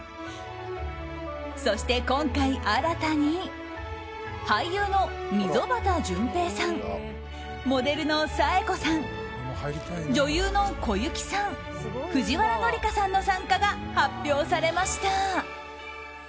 そして今回、新たに俳優の溝端淳平さんモデルの紗栄子さん女優の小雪さん、藤原紀香さんの参加が発表されました。